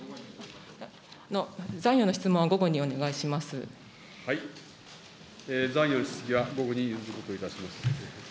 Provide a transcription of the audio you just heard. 残余の質問は午後にお願いします。